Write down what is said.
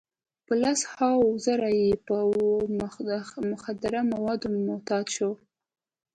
په لس هاوو زره یې په مخدره موادو معتاد شوي.